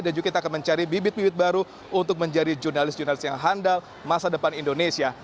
dan juga kita akan mencari bibit bibit baru untuk menjadi jurnalis jurnalis yang handal masa depan indonesia